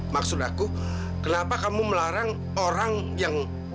maksud aku kenapa kamu melarang orang yang